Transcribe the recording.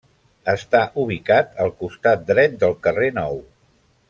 Està ubicat al costat dret del carrer Nou.